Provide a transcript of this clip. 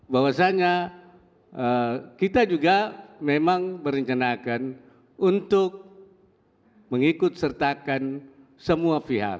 bahwasannya kita juga memang merencanakan untuk mengikut sertakan semua pihak